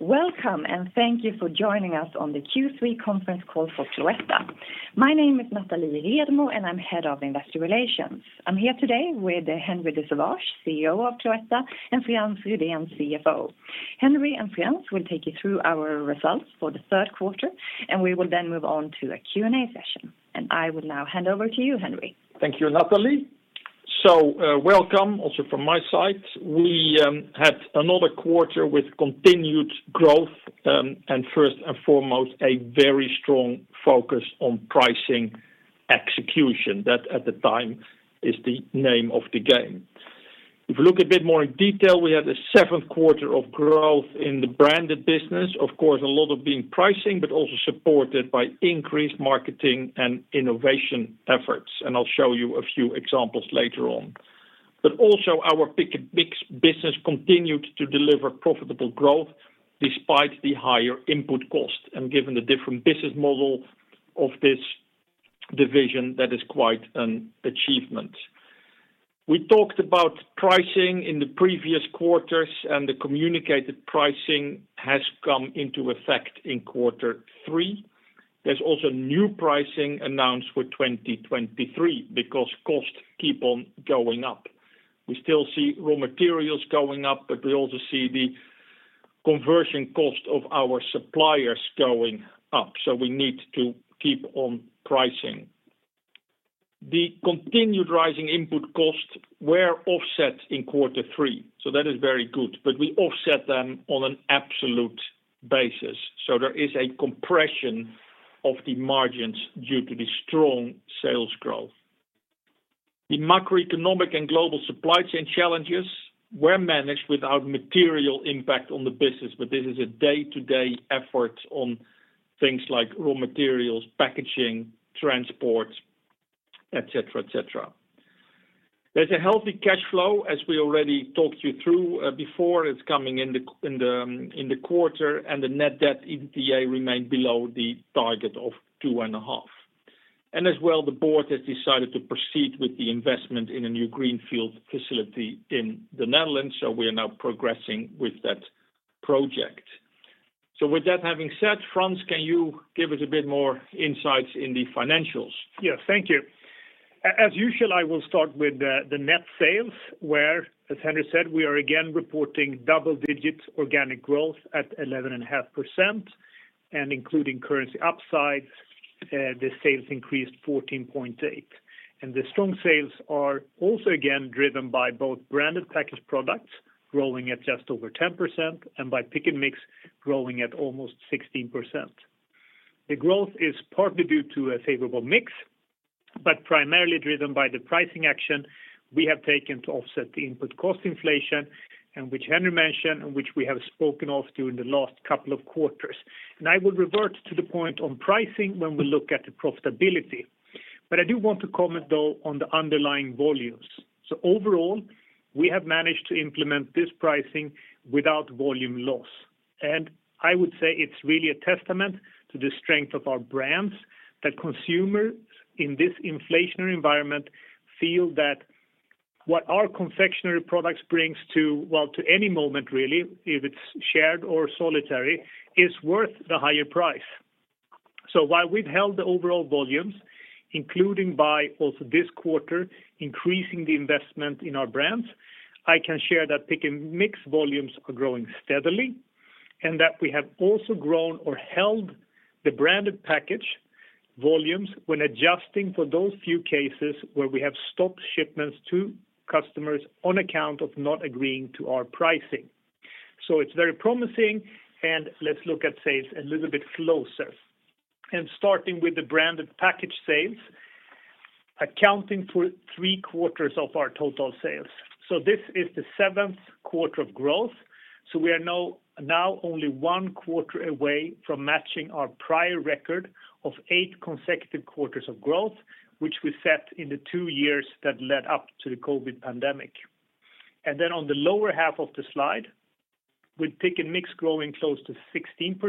Welcome and thank you for joining us on the Q3 conference call for Cloetta. My name is Nathalie Redmo, and I'm Head of Investor Relations. I'm here today with Henri de Sauvage-Nolting, CEO of Cloetta, and Frans Rydén, CFO. Henri and Frans will take you through our results for the third quarter, and we will then move on to a Q&A session. I will now hand over to you, Henri. Thank you, Nathalie. Welcome also from my side. We had another quarter with continued growth and first and foremost, a very strong focus on pricing execution. That at the time is the name of the game. If you look a bit more in detail, we have the seventh quarter of growth in the branded business. Of course, a lot of it being pricing, but also supported by increased marketing and innovation efforts, and I'll show you a few examples later on. Our Pick & Mix business continued to deliver profitable growth despite the higher input cost. Given the different business model of this division, that is quite an achievement. We talked about pricing in the previous quarters, and the communicated pricing has come into effect in quarter three. There's also new pricing announced for 2023 because costs keep on going up. We still see raw materials going up, but we also see the conversion cost of our suppliers going up, so we need to keep on pricing. The continued rising input costs were offset in quarter three, so that is very good. We offset them on an absolute basis. There is a compression of the margins due to the strong sales growth. The macroeconomic and global supply chain challenges were managed without material impact on the business, but this is a day-to-day effort on things like raw materials, packaging, transport, et cetera, et cetera. There's a healthy cash flow, as we already talked you through before, it's coming in the quarter, and the net debt EBITDA remained below the target of 2.5. As well, the board has decided to proceed with the investment in a new Greenfield facility in the Netherlands, so we are now progressing with that project. With that having said, Frans, can you give us a bit more insights in the financials? Yes, thank you. As usual, I will start with the net sales, where, as Henri said, we are again reporting double digits organic growth at 11.5%, and including currency upside, the sales increased 14.8%. The strong sales are also again driven by both branded packaged products growing at just over 10% and by Pick & Mix growing at almost 16%. The growth is partly due to a favorable mix, but primarily driven by the pricing action we have taken to offset the input cost inflation, and which Henri mentioned, and which we have spoken of during the last couple of quarters. I will revert to the point on pricing when we look at the profitability. I do want to comment though on the underlying volumes. Overall, we have managed to implement this pricing without volume loss. I would say it's really a testament to the strength of our brands that consumers in this inflationary environment feel that what our confectionery products brings to, well, to any moment really, if it's shared or solitary, is worth the higher price. While we've held the overall volumes, including, but also this quarter, increasing the investment in our brands, I can share that Pick & Mix volumes are growing steadily and that we have also grown or held the branded package volumes when adjusting for those few cases where we have stopped shipments to customers on account of not agreeing to our pricing. It's very promising, and let's look at sales a little bit closer. Starting with the branded package sales, accounting for three quarters of our total sales. This is the 7th quarter of growth, we are now only one quarter away from matching our prior record of 8 consecutive quarters of growth, which we set in the two years that led up to the COVID pandemic. On the lower half of the slide, with Pick & Mix growing close to 16%,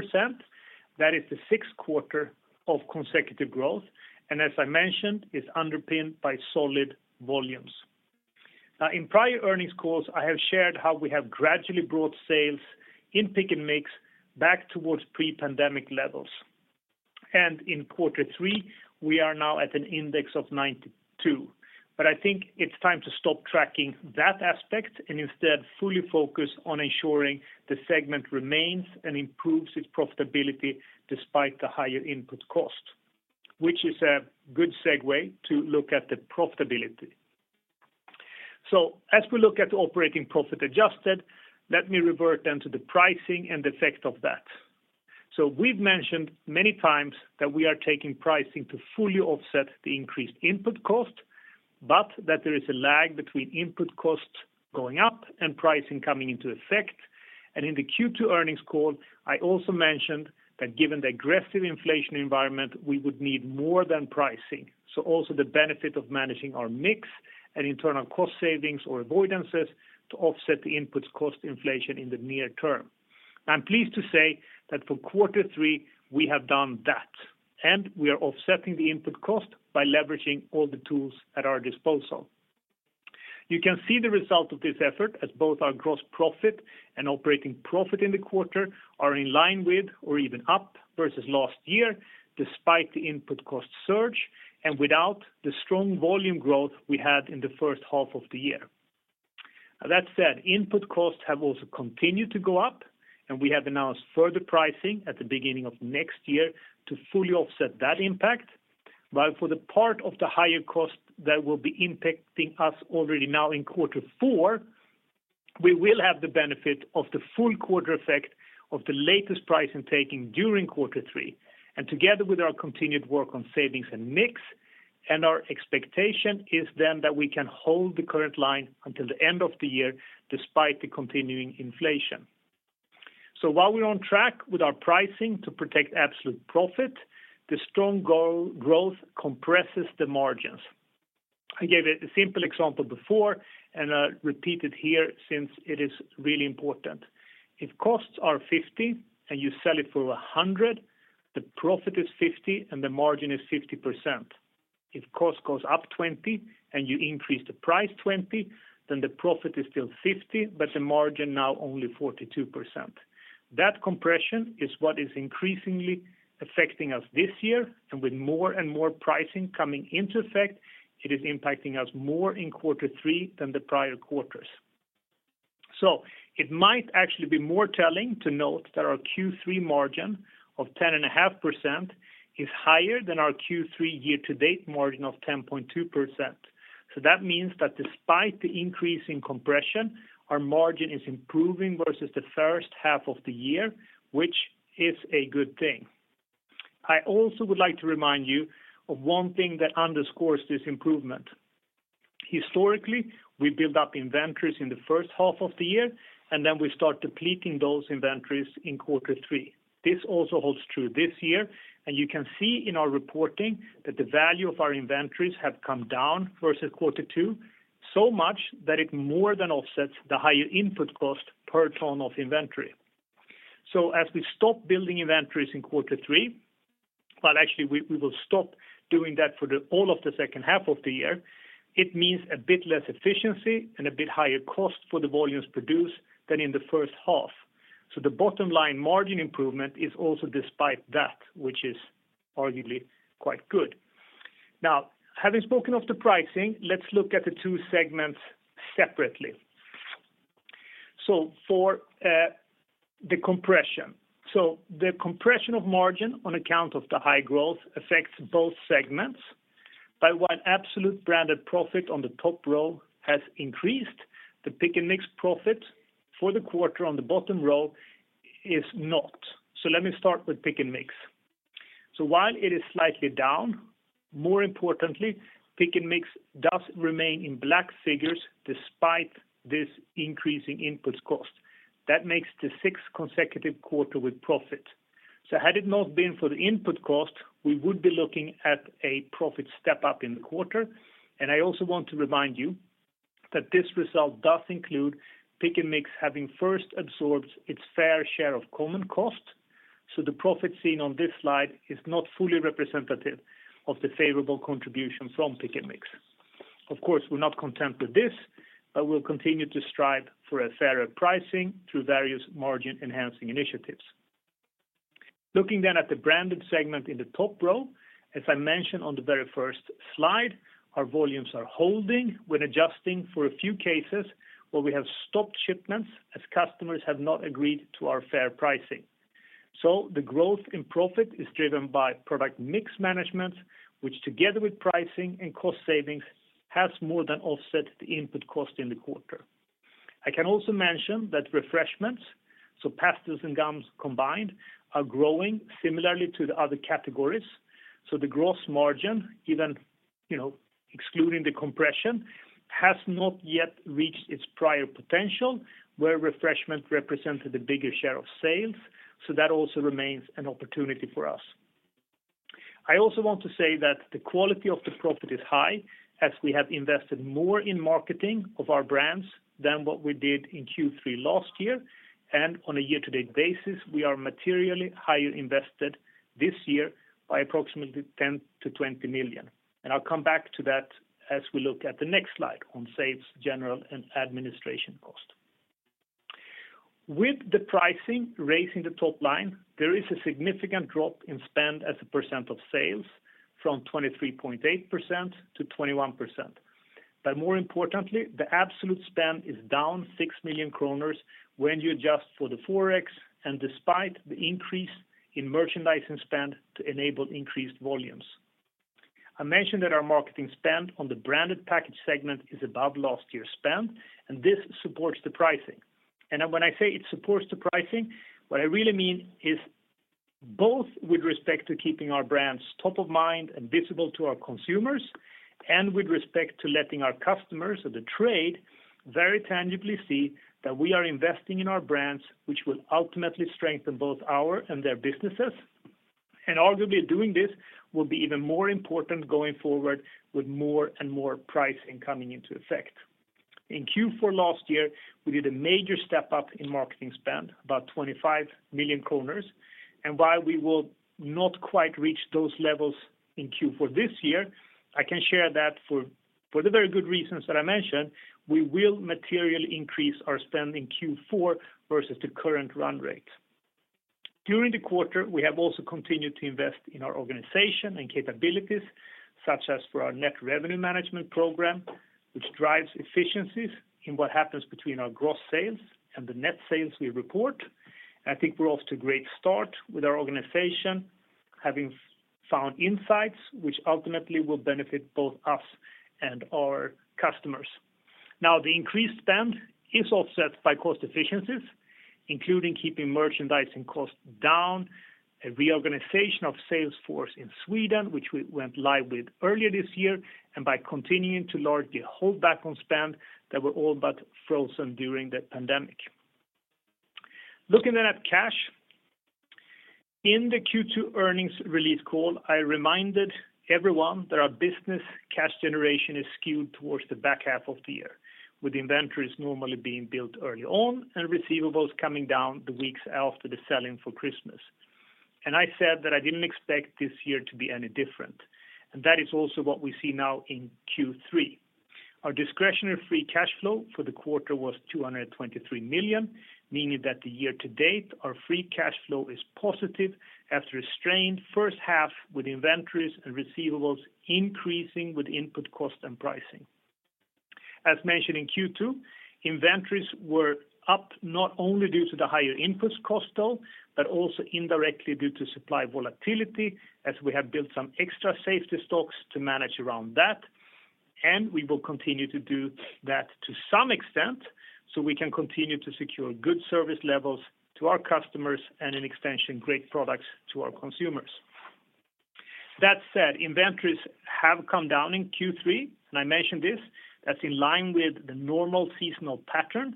that is the 6th quarter of consecutive growth, and as I mentioned, is underpinned by solid volumes. In prior earnings calls, I have shared how we have gradually brought sales in Pick & Mix back towards pre-pandemic levels. In quarter 3, we are now at an index of 92. I think it's time to stop tracking that aspect and instead fully focus on ensuring the segment remains and improves its profitability despite the higher input cost, which is a good segue to look at the profitability. As we look at the operating profit adjusted, let me revert then to the pricing and the effect of that. We've mentioned many times that we are taking pricing to fully offset the increased input cost, but that there is a lag between input costs going up and pricing coming into effect. In the Q2 earnings call, I also mentioned that given the aggressive inflation environment, we would need more than pricing. Also the benefit of managing our mix and internal cost savings or avoidances to offset the inputs cost inflation in the near term. I'm pleased to say that for quarter three, we have done that, and we are offsetting the input cost by leveraging all the tools at our disposal. You can see the result of this effort as both our gross profit and operating profit in the quarter are in line with or even up versus last year despite the input cost surge and without the strong volume growth we had in the first half of the year. That said, input costs have also continued to go up, and we have announced further pricing at the beginning of next year to fully offset that impact. For the part of the higher cost that will be impacting us already now in quarter four, we will have the benefit of the full quarter effect of the latest price increases during quarter three and together with our continued work on savings and mix, and our expectation is then that we can hold the current line until the end of the year despite the continuing inflation. While we're on track with our pricing to protect absolute profit, the strong growth compresses the margins. I gave a simple example before, and I'll repeat it here since it is really important. If costs are 50 and you sell it for 100, the profit is 50 and the margin is 50%. If cost goes up 20 and you increase the price 20, then the profit is still 50, but the margin now only 42%. That compression is what is increasingly affecting us this year, and with more and more pricing coming into effect, it is impacting us more in quarter three than the prior quarters. It might actually be more telling to note that our Q3 margin of 10.5% is higher than our Q3 year to date margin of 10.2%. That means that despite the increase in compression, our margin is improving versus the first half of the year, which is a good thing. I also would like to remind you of one thing that underscores this improvement. Historically, we build up inventories in the first half of the year, and then we start depleting those inventories in quarter three. This also holds true this year, and you can see in our reporting that the value of our inventories have come down versus quarter two so much that it more than offsets the higher input cost per ton of inventory. As we stop building inventories in quarter three, but actually we will stop doing that for all of the second half of the year, it means a bit less efficiency and a bit higher cost for the volumes produced than in the first half. The bottom line margin improvement is also despite that, which is arguably quite good. Now, having spoken of the pricing, let's look at the two segments separately. The compression of margin on account of the high growth affects both segments. While the absolute branded profit on the top row has increased, the Pick & Mix profit for the quarter on the bottom row is not. Let me start with Pick & Mix. While it is slightly down, more importantly, Pick & Mix does remain in black figures despite this increasing input cost. That makes the sixth consecutive quarter with profit. Had it not been for the input cost, we would be looking at a profit step up in the quarter. I also want to remind you that this result does include Pick & Mix having first absorbed its fair share of common cost. The profit seen on this slide is not fully representative of the favorable contribution from Pick & Mix. Of course, we're not content with this, but we'll continue to strive for a fairer pricing through various margin-enhancing initiatives. Looking then at the branded segment in the top row, as I mentioned on the very first slide, our volumes are holding when adjusting for a few cases where we have stopped shipments as customers have not agreed to our fair pricing. The growth in profit is driven by product mix management, which together with pricing and cost savings, has more than offset the input cost in the quarter. I can also mention that Refreshment, so pastilles and gums combined, are growing similarly to the other categories. The gross margin, even, you know, excluding the compression, has not yet reached its prior potential, where Refreshment represented the bigger share of sales. That also remains an opportunity for us. I also want to say that the quality of the profit is high, as we have invested more in marketing of our brands than what we did in Q3 last year. On a year-to-date basis, we are materially higher invested this year by approximately 10-20 million. I'll come back to that as we look at the next slide on sales, general, and administration cost. With the pricing raising the top line, there is a significant drop in spend as a % of sales from 23.8-21%. More importantly, the absolute spend is down 6 million kronor when you adjust for the Forex and despite the increase in merchandising spend to enable increased volumes. I mentioned that our marketing spend on the branded package segment is above last year's spend, and this supports the pricing. When I say it supports the pricing, what I really mean is both with respect to keeping our brands top of mind and visible to our consumers and with respect to letting our customers or the trade very tangibly see that we are investing in our brands, which will ultimately strengthen both our and their businesses. Arguably, doing this will be even more important going forward with more and more pricing coming into effect. In Q4 last year, we did a major step up in marketing spend, about 25 million kronor. While we will not quite reach those levels in Q4 this year, I can share that for the very good reasons that I mentioned, we will materially increase our spend in Q4 versus the current run rate. During the quarter, we have also continued to invest in our organization and capabilities, such as for our Net Revenue Management program, which drives efficiencies in what happens between our gross sales and the net sales we report. I think we're off to a great start with our organization having found insights which ultimately will benefit both us and our customers. Now, the increased spend is offset by cost efficiencies, including keeping merchandising costs down, a reorganization of sales force in Sweden, which we went live with earlier this year, and by continuing to largely hold back on spend that were all but frozen during the pandemic. Looking at cash. In the Q2 earnings release call, I reminded everyone that our business cash generation is skewed towards the back half of the year, with inventories normally being built early on and receivables coming down the weeks after the selling for Christmas. I said that I didn't expect this year to be any different, and that is also what we see now in Q3. Our discretionary free cash flow for the quarter was 223 million, meaning that the year to date, our free cash flow is positive after a strained first half with inventories and receivables increasing with input cost and pricing. As mentioned in Q2, inventories were up not only due to the higher input cost though, but also indirectly due to supply volatility, as we have built some extra safety stocks to manage around that. We will continue to do that to some extent, so we can continue to secure good service levels to our customers and in extension, great products to our consumers. That said, inventories have come down in Q3, and I mentioned this. That's in line with the normal seasonal pattern.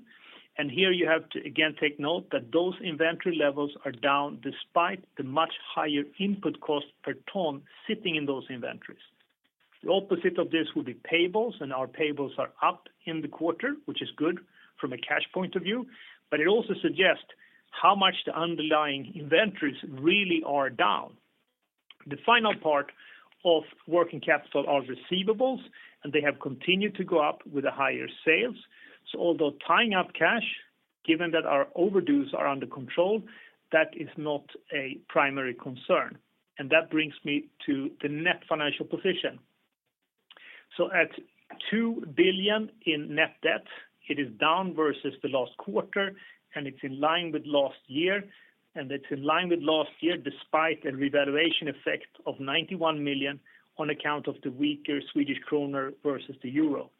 Here you have to again take note that those inventory levels are down despite the much higher input cost per ton sitting in those inventories. The opposite of this will be payables, and our payables are up in the quarter, which is good from a cash point of view, but it also suggests how much the underlying inventories really are down. The final part of working capital are receivables, and they have continued to go up with the higher sales. Although tying up cash, given that our overdues are under control, that is not a primary concern. That brings me to the net financial position. At 2 billion in net debt, it is down versus the last quarter, and it's in line with last year despite a revaluation effect of 91 million on account of the weaker Swedish krona versus the euro.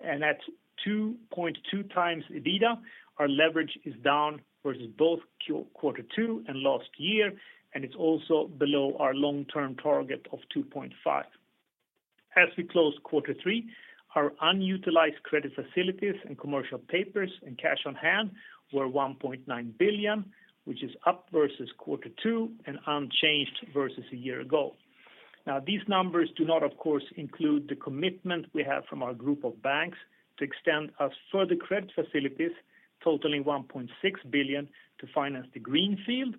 At 2.2x EBITDA, our leverage is down versus both quarter two and last year, and it's also below our long-term target of 2.5. As we close quarter three, our unutilized credit facilities and commercial papers and cash on hand were 1.9 billion, which is up versus quarter two and unchanged versus a year ago. These numbers do not, of course, include the commitment we have from our group of banks to extend our further credit facilities totaling 1.6 billion to finance the Greenfield,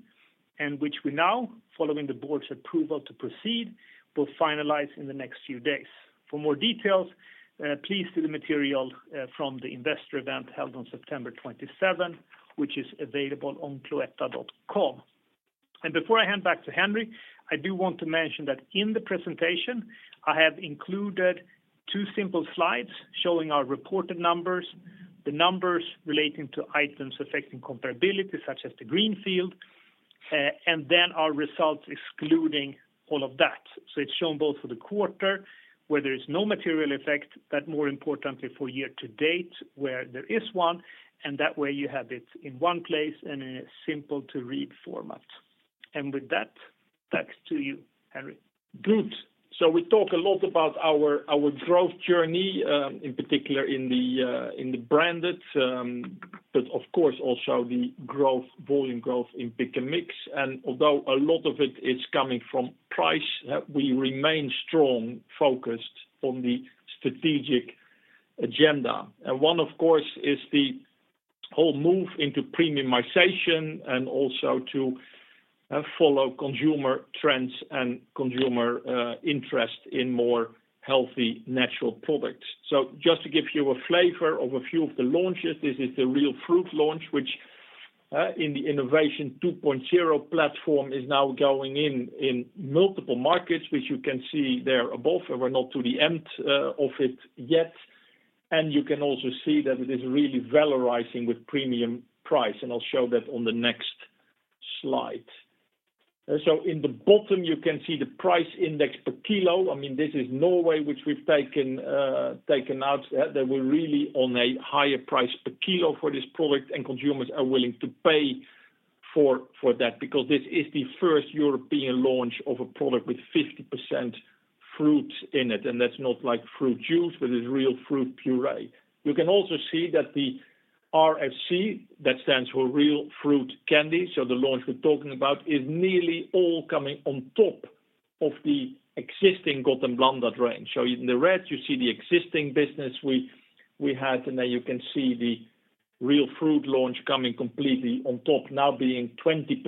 and which we now, following the board's approval to proceed, will finalize in the next few days. For more details, please see the material from the investor event held on September 27, which is available on Cloetta.com. Before I hand back to Henri, I do want to mention that in the presentation, I have included two simple slides showing our reported numbers, the numbers relating to items affecting comparability, such as the Greenfield, and then our results excluding all of that. It's shown both for the quarter where there is no material effect, but more importantly for year to date where there is one, and that way you have it in one place and in a simple to read format. With that, back to you, Henri. Good. We talk a lot about our growth journey in particular in the branded but of course also the volume growth in Pick & Mix. Although a lot of it is coming from price, we remain strong focused on the strategic agenda. One, of course, is the whole move into premiumization and also to follow consumer trends and consumer interest in more healthy natural products. Just to give you a flavor of a few of the launches, this is the Real Fruit launch, which in the Innovation 2.0 platform is now going in multiple markets, which you can see there above. We're not to the end of it yet. You can also see that it is really valorizing with premium price, and I'll show that on the next slide. In the bottom, you can see the price index per kilo. I mean, this is Norway, which we've taken out. They were really on a higher price per kilo for this product, and consumers are willing to pay for that because this is the first European launch of a product with 50% fruit in it, and that's not like fruit juice, but it's real fruit puree. You can also see that the RFC, that stands for Real Fruit Candy, so the launch we're talking about, is nearly all coming on top of the existing Godt & Blandet range. In the red, you see the existing business we had, and then you can see the Real fruit launch coming completely on top now being 20%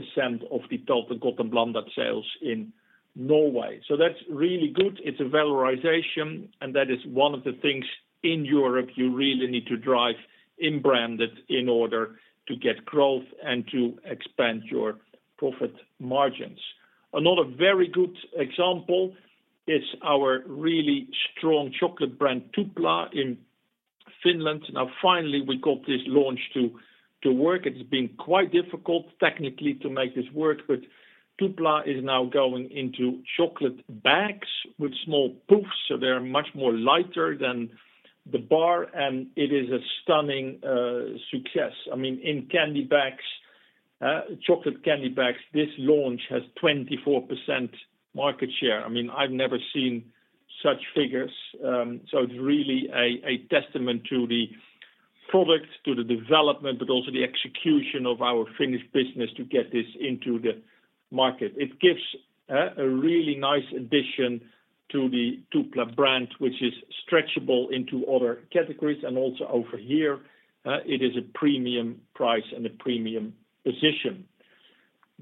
of the total Godt & Blandet sales in Norway. That's really good. It's a valorization, and that is one of the things in Europe you really need to drive in branded in order to get growth and to expand your profit margins. Another very good example is our really strong chocolate brand Tupla in Finland. Now finally, we got this launch to work. It's been quite difficult technically to make this work, but Tupla is now going into chocolate bags with small puffs. They are much more lighter than the bar, and it is a stunning success. I mean, in candy bags, chocolate candy bags, this launch has 24% market share. I mean, I've never seen such figures, so it's really a testament to the product, to the development, but also the execution of our Finnish business to get this into the market. It gives a really nice addition to the Tupla brand, which is stretchable into other categories, and also over here, it is a premium price and a premium position.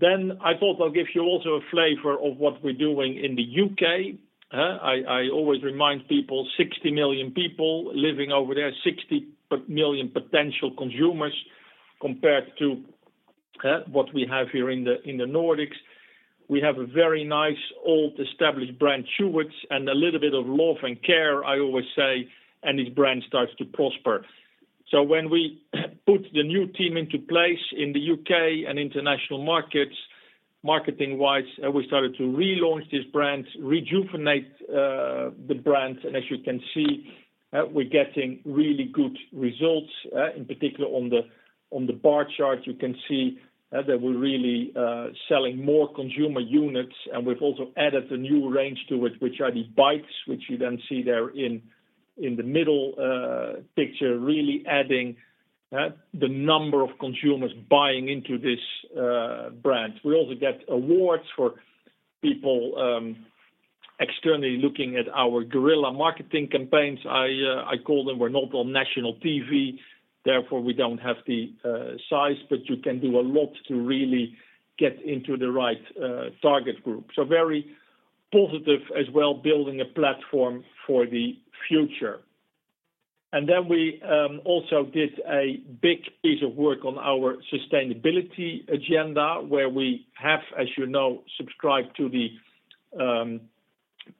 I thought I'll give you also a flavor of what we're doing in the UK. I always remind people, 60 million people living over there, 60 million potential consumers compared to what we have here in the Nordics. We have a very nice, old established brand, Chewits, and a little bit of love and care, I always say, and this brand starts to prosper. When we put the new team into place in the UK and International Markets, marketing-wise, we started to relaunch this brand, rejuvenate the brand. As you can see, we're getting really good results, in particular on the bar chart, you can see that we're really selling more consumer units. We've also added a new range to it, which are the Bites, which you then see there in the middle picture, really adding the number of consumers buying into this brand. We also get awards for people externally looking at our guerrilla marketing campaigns. I call them we're not on national TV, therefore we don't have the size, but you can do a lot to really get into the right target group. Very positive as well, building a platform for the future. We also did a big piece of work on our sustainability agenda, where we have, as you know, subscribed to the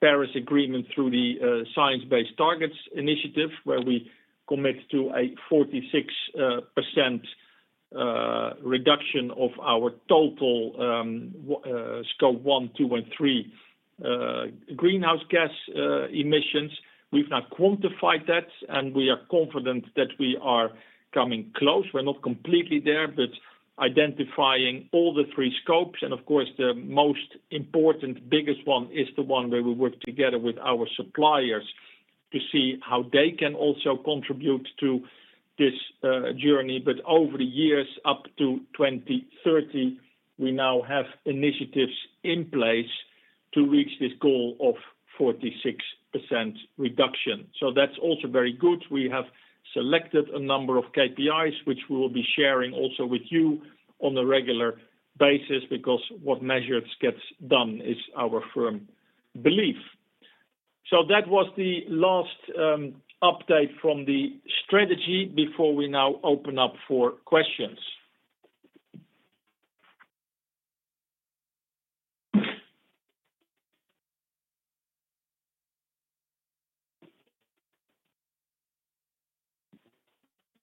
Paris Agreement through the Science Based Targets initiative, where we commit to a 46% reduction of our total scope 1, 2, and 3 greenhouse gas emissions. We've now quantified that, and we are confident that we are coming close. We're not completely there, but identifying all the three scopes, and of course, the most important, biggest one is the one where we work together with our suppliers to see how they can also contribute to this journey. Over the years up to 2030, we now have initiatives in place to reach this goal of 46% reduction. That's also very good. We have selected a number of KPIs, which we will be sharing also with you on a regular basis because what measures gets done is our firm belief. That was the last update from the strategy before we now open up for questions.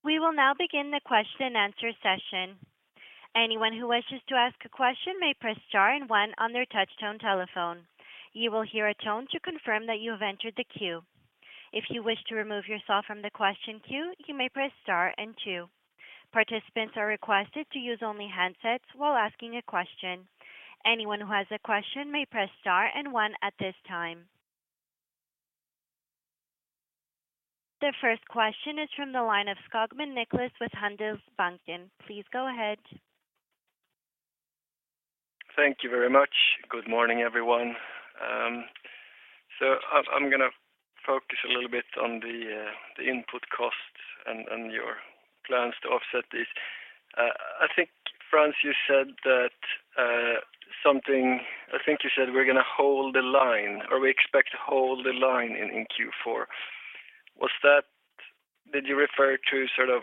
We will now begin the question-and-answer session. Anyone who wishes to ask a question may press star and one on their touchtone telephone. You will hear a tone to confirm that you have entered the queue. If you wish to remove yourself from the question queue, you may press star and two. Participants are requested to use only handsets while asking a question. Anyone who has a question may press star and one at this time. The first question is from the line of Nicklas Skogman with Handelsbanken. Please go ahead. Thank you very much. Good morning, everyone. I'm gonna focus a little bit on the input costs and your plans to offset this. I think, Frans, you said that we're gonna hold the line or we expect to hold the line in Q4. Was that? Did you refer to sort of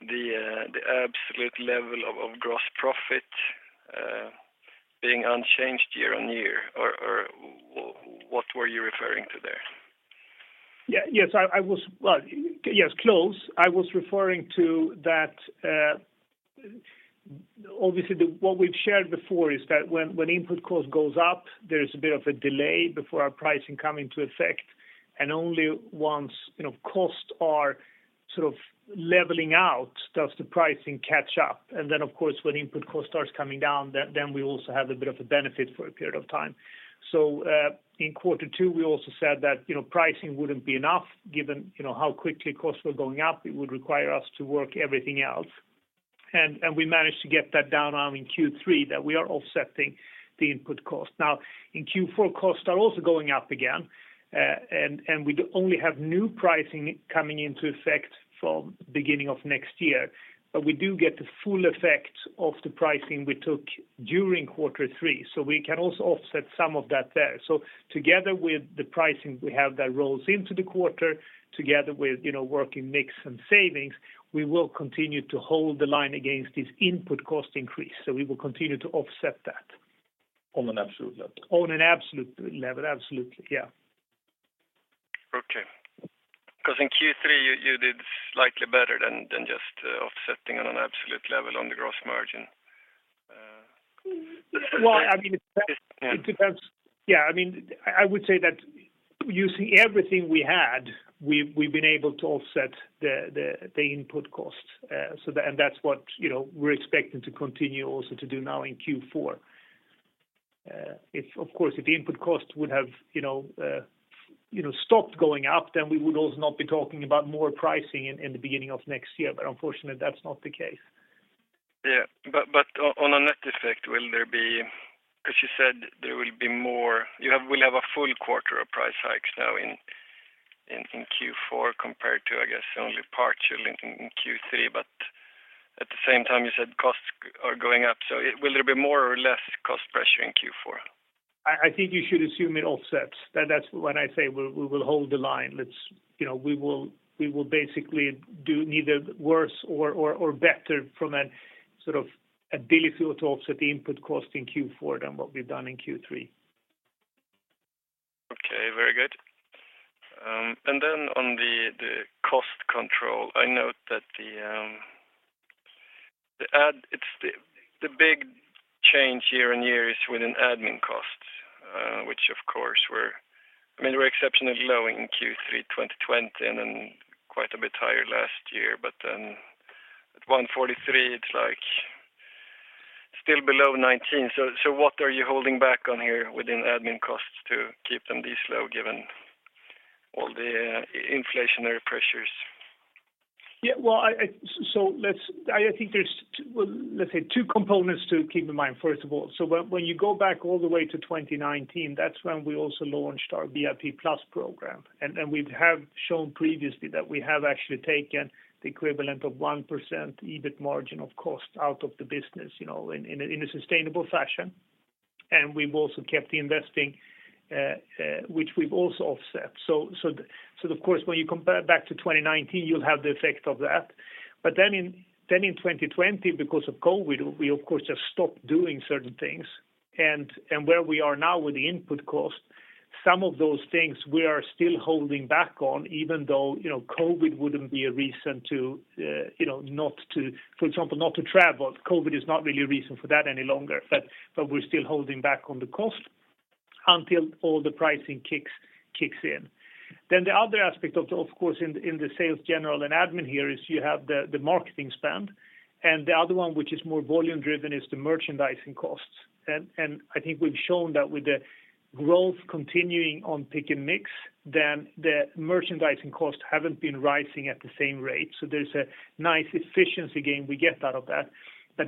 the absolute level of gross profit being unchanged year on year or what were you referring to there? Yeah. Yes. Well, yes, close. I was referring to that, obviously what we've shared before is that when input cost goes up, there's a bit of a delay before our pricing come into effect. Only once, you know, costs are sort of leveling out does the pricing catch up. Of course, when input cost starts coming down, then we also have a bit of a benefit for a period of time. In quarter two, we also said that, you know, pricing wouldn't be enough given, you know, how quickly costs were going up. It would require us to work everything else. We managed to get that down now in Q3 that we are offsetting the input cost. Now, in Q4, costs are also going up again. We only have new pricing coming into effect from beginning of next year. But we do get the full effect of the pricing we took during quarter three, so we can also offset some of that there. Together with the pricing we have that rolls into the quarter together with, you know, working mix and savings, we will continue to hold the line against this input cost increase. We will continue to offset that. On an absolute level? On an absolute level. Absolutely. Yeah. Okay. 'Cause in Q3, you did slightly better than just offsetting on an absolute level on the gross margin. Well, I mean it depends. Yeah, I mean, I would say that using everything we had, we've been able to offset the input costs. That's what, you know, we're expecting to continue also to do now in Q4. Of course, if the input costs would have, you know, stopped going up, then we would also not be talking about more pricing in the beginning of next year. Unfortunately that's not the case. Yeah. On a net effect, will there be, 'cause you said there will be more. You will have a full quarter of price hikes now in Q4 compared to, I guess, only partially in Q3. At the same time, you said costs are going up. Will there be more or less cost pressure in Q4? I think you should assume it offsets. That's when I say we will hold the line. You know, we will basically do neither worse or better from a sort of ability to offset the input cost in Q4 than what we've done in Q3. Okay. Very good. Then on the cost control, I note that the big change year-over-year is with an admin cost, which of course were exceptionally low in Q3 2020, and then quite a bit higher last year. Then at 143, it's like still below 19. What are you holding back on here within admin costs to keep them this low given all the inflationary pressures? Well, let's say two components to keep in mind, first of all. When you go back all the way to 2019, that's when we also launched our VIP plus program. We have shown previously that we have actually taken the equivalent of 1% EBIT margin of cost out of the business, you know, in a sustainable fashion. We've also kept investing, which we've also offset. Of course, when you compare it back to 2019, you'll have the effect of that. In 2020, because of COVID, we of course have stopped doing certain things. Where we are now with the input cost, some of those things we are still holding back on, even though you know COVID wouldn't be a reason to, for example, not to travel. COVID is not really a reason for that any longer, but we're still holding back on the cost until all the pricing kicks in. The other aspect of course in the sales, general and admin here is you have the marketing spend, and the other one which is more volume driven is the merchandising costs. I think we've shown that with the growth continuing on Pick & Mix, then the merchandising costs haven't been rising at the same rate. There's a nice efficiency gain we get out of that.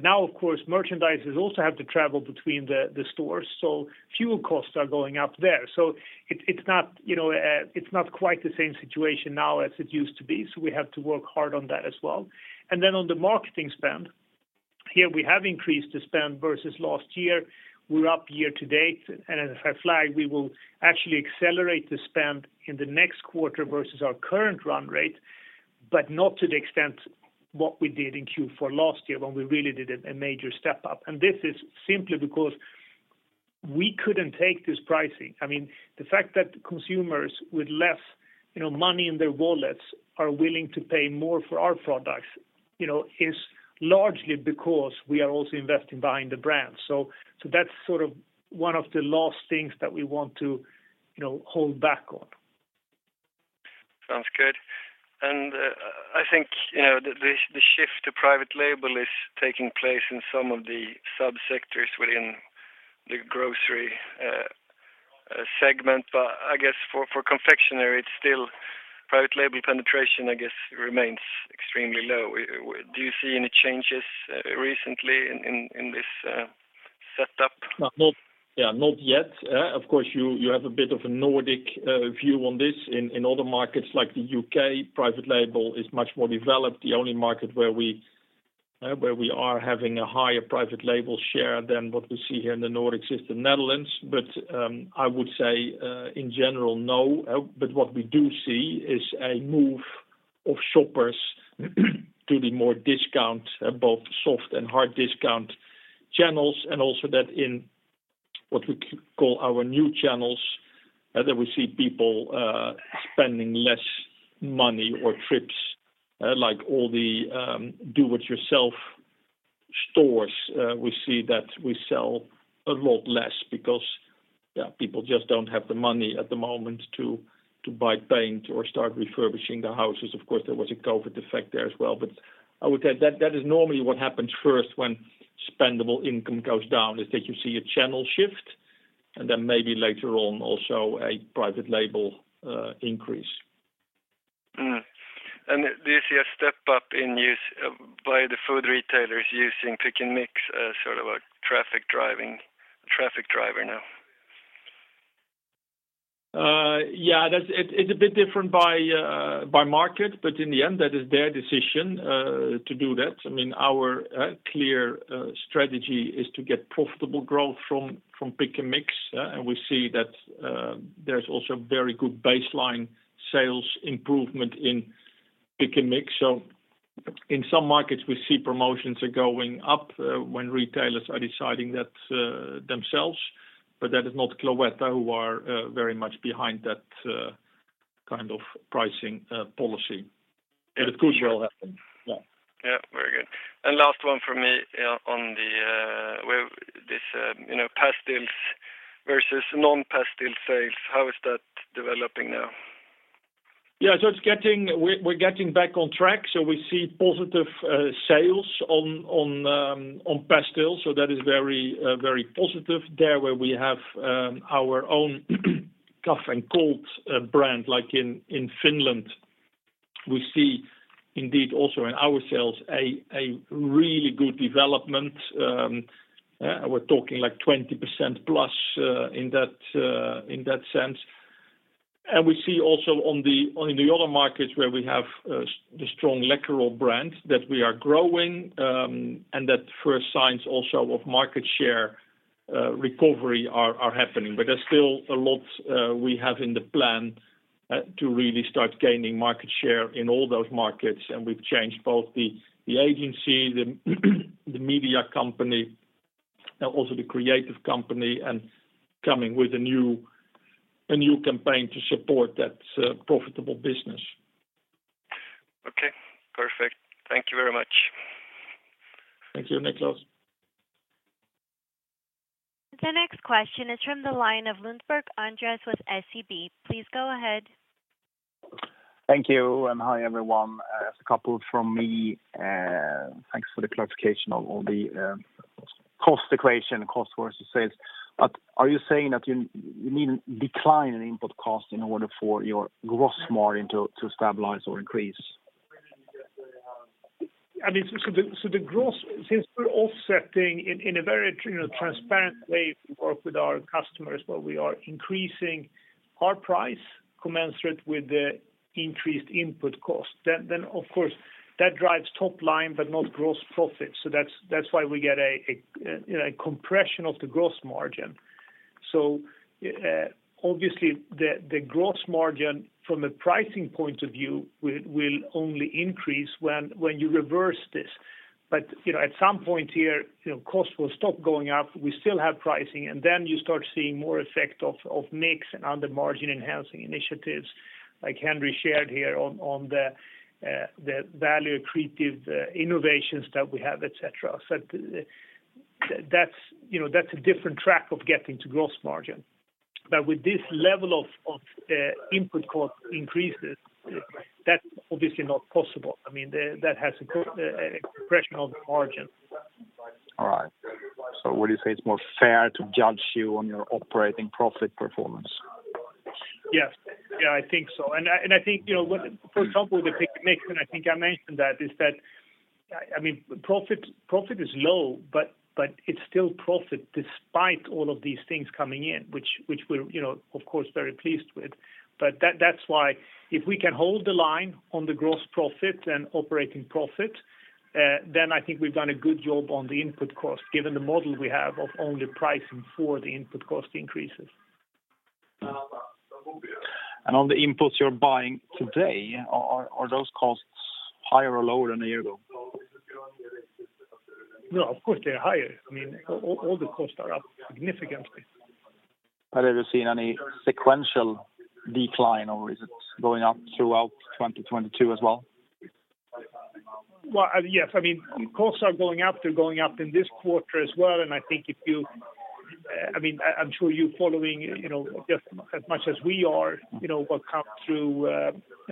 Now, of course, merchandisers also have to travel between the stores, so fuel costs are going up there. It's not, you know, quite the same situation now as it used to be. We have to work hard on that as well. Then on the marketing spend, here we have increased the spend versus last year. We're up year to date. As I flagged, we will actually accelerate the spend in the next quarter versus our current run rate, but not to the extent what we did in Q4 last year when we really did a major step up. This is simply because we couldn't take this pricing. I mean, the fact that consumers with less, you know, money in their wallets are willing to pay more for our products, you know, is largely because we are also investing behind the brand. That's sort of one of the last things that we want to, you know, hold back on. Sounds good. I think, you know, the shift to private label is taking place in some of the subsectors within the grocery segment. I guess for confectionery, it's still private label penetration, I guess, remains extremely low. Do you see any changes recently in this setup? Not, yeah, not yet. Of course you have a bit of a Nordic view on this. In other markets like the UK, private label is much more developed. The only market where we are having a higher private label share than what we see here in the Nordic system, Netherlands. I would say, in general, no. What we do see is a move of shoppers to the more discount, both soft and hard discount channels, and also that in what we call our new channels, that we see people spending less money per trip, like all the do-it-yourself stores. We see that we sell a lot less because, yeah, people just don't have the money at the moment to buy paint or start refurbishing their houses. Of course, there was a COVID effect there as well. I would say that is normally what happens first when spendable income goes down, is that you see a channel shift, and then maybe later on, also a private label increase. Do you see a step up in use by the food retailers using Pick & Mix as sort of a traffic driver now? Yeah, it's a bit different by market. In the end, that is their decision to do that. I mean, our clear strategy is to get profitable growth from Pick & Mix. We see that there's also very good baseline sales improvement in Pick & Mix. In some markets, we see promotions are going up when retailers are deciding that themselves. That is not Cloetta who are very much behind that kind of pricing policy. It could well happen. Yeah. Yeah. Very good. Last one for me, on the where this you know Pastilles versus non-Pastille sales, how is that developing now? Yeah. We're getting back on track. We see positive sales on pastilles. That is very positive there where we have our own cough and cold brand, like in Finland. We see indeed also in our sales a really good development. We're talking like 20%+ in that sense. We see also on the other markets where we have the strong licorice brand that we are growing, and that first signs also of market share recovery are happening. There's still a lot we have in the plan to really start gaining market share in all those markets. We've changed both the agency, the media company, and also the creative company, and coming with a new campaign to support that profitable business. Okay. Perfect. Thank you very much. Thank you, Niklas. The next question is from the line of Andreas Lundberg with SEB. Please go ahead. Thank you, and hi, everyone. Just a couple from me. Thanks for the clarification on all the cost equation and cost versus sales. Are you saying that you need a decline in input cost in order for your gross margin to stabilize or increase? I mean, since we're offsetting in a very transparent way we work with our customers, but we are increasing our price commensurate with the increased input cost. Of course, that drives top line, but not gross profit. That's why we get a compression of the gross margin. Obviously the gross margin from a pricing point of view will only increase when you reverse this. You know, at some point here, you know, cost will stop going up. We still have pricing, and then you start seeing more effect of mix and other margin enhancing initiatives like Henri shared here on the value accretive innovations that we have, et cetera. That's, you know, that's a different track of getting to gross margin. With this level of input cost increases, that's obviously not possible. I mean, that has a compression on the margin. All right. Would you say it's more fair to judge you on your operating profit performance? Yes. Yeah, I think so. I think, you know, when, for example, with the Pick & Mix, and I think I mentioned that, I mean, profit is low, but it's still profit despite all of these things coming in, which we're, you know, of course very pleased with. That's why if we can hold the line on the gross profit and operating profit, then I think we've done a good job on the input cost, given the model we have of only pricing for the input cost increases. On the inputs you're buying today, are those costs higher or lower than a year ago? No, of course they're higher. I mean, all the costs are up significantly. Have you seen any sequential decline or is it going up throughout 2022 as well? Well, yes. I mean, costs are going up. They're going up in this quarter as well. I think if you're following, you know, just as much as we are, you know, what comes through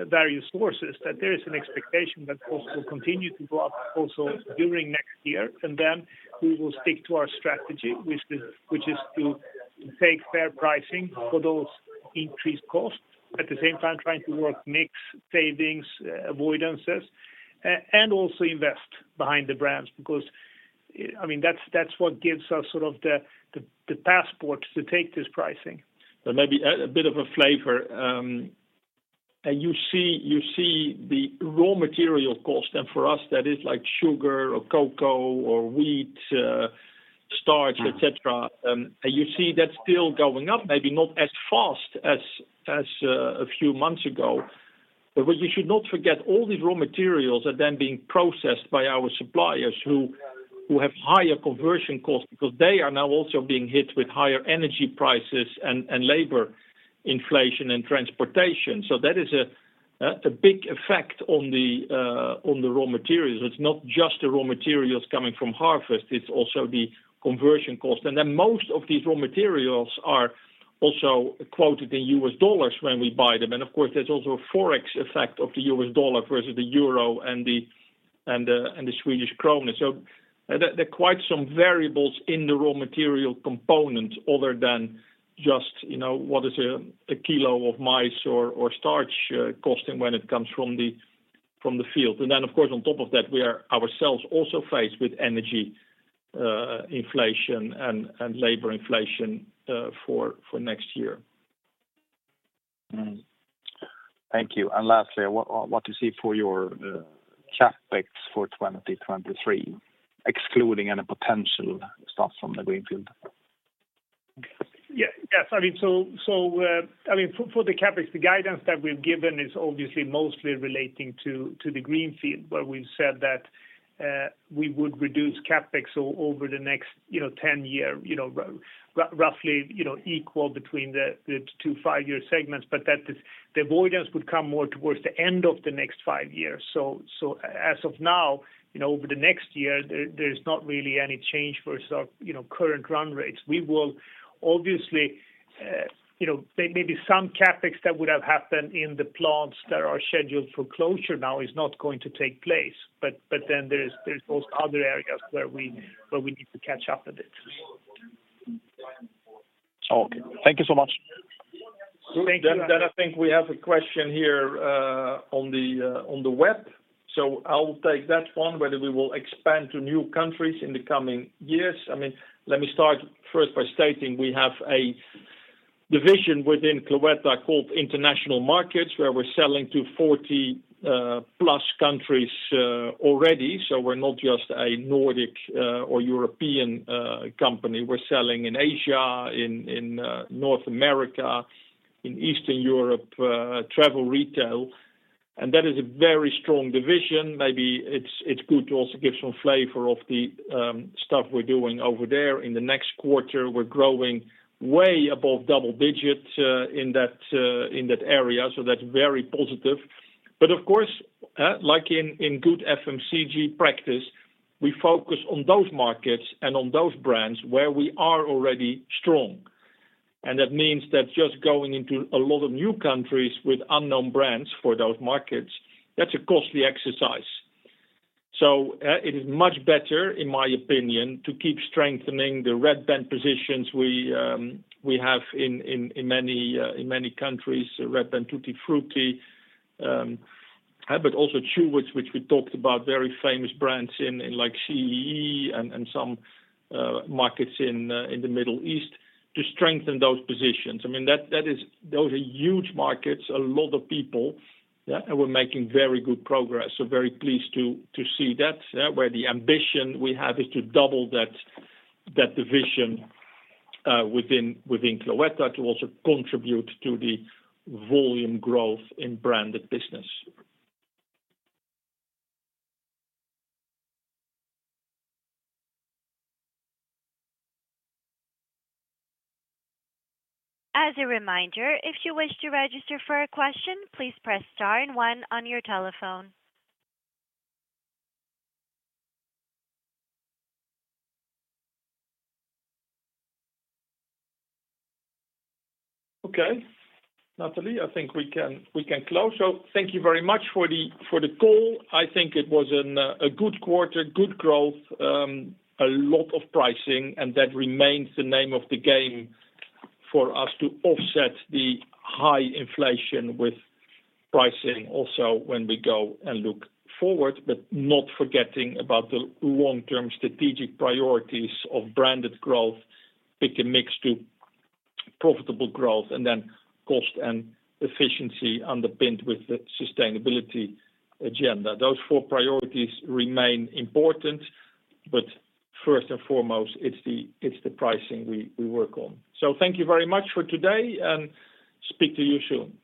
various sources, that there is an expectation that costs will continue to go up also during next year. We will stick to our strategy, which is to take fair pricing for those increased costs. At the same time, trying to work mix, savings, avoidances, and also invest behind the brands because, I mean, that's what gives us sort of the passport to take this pricing. Maybe a bit of a flavor, you see the raw material cost, and for us, that is like sugar or cocoa or wheat, starch, et cetera. You see that still going up, maybe not as fast as a few months ago. What you should not forget, all these raw materials are then being processed by our suppliers who have higher conversion costs because they are now also being hit with higher energy prices and labor inflation and transportation. That is a big effect on the raw materials. It's not just the raw materials coming from harvest, it's also the conversion cost. Then most of these raw materials are also quoted in U.S. dollars when we buy them. Of course, there's also a Forex effect of the US dollar versus the euro and the. The Swedish krona. There are quite some variables in the raw material component other than just, you know, what is a kilo of maize or starch costing when it comes from the field. Of course, on top of that, we are ourselves also faced with energy inflation and labor inflation for next year. Thank you. Lastly, what do you see for your CapEx for 2023, excluding any potential stuff from the Greenfield? Yes. I mean, for the CapEx, the guidance that we've given is obviously mostly relating to the Greenfield, where we've said that we would reduce CapEx over the next, you know, 10-year, you know, roughly, you know, equal between the two 5-year segments, but that the avoidance would come more towards the end of the next 5 years. As of now, you know, over the next year, there's not really any change versus our current run rates. We will obviously, you know, there may be some CapEx that would have happened in the plants that are scheduled for closure now is not going to take place, but then there's also other areas where we need to catch up a bit. Okay. Thank you so much. Thank you. I think we have a question here on the web. I will take that one, whether we will expand to new countries in the coming years. I mean, let me start first by stating we have a division within Cloetta called International Markets, where we're selling to 40+ countries already. We're not just a Nordic or European company. We're selling in Asia, in North America, in Eastern Europe, travel retail, and that is a very strong division. Maybe it's good to also give some flavor of the stuff we're doing over there. In the next quarter, we're growing way above double digits in that area, so that's very positive. Of course, like in good FMCG practice, we focus on those markets and on those brands where we are already strong. That means that just going into a lot of new countries with unknown brands for those markets, that's a costly exercise. It is much better, in my opinion, to keep strengthening the Red Band positions we have in many countries, Red Band Tutti Frutti, but also Chewits, which we talked about, very famous brands in like CEE and some markets in the Middle East to strengthen those positions. I mean, that is. Those are huge markets, a lot of people, yeah, and we're making very good progress, so very pleased to see that, where the ambition we have is to double that division within Cloetta to also contribute to the volume growth in branded business. As a reminder, if you wish to register for a question, please press star and one on your telephone. Okay. Nathalie, I think we can close. Thank you very much for the call. I think it was a good quarter, good growth, a lot of pricing, and that remains the name of the game for us to offset the high inflation with pricing also when we go and look forward, but not forgetting about the long-term strategic priorities of branded growth, picking mix to profitable growth, and then cost and efficiency underpinned with the sustainability agenda. Those four priorities remain important, but first and foremost, it's the pricing we work on. Thank you very much for today and speak to you soon.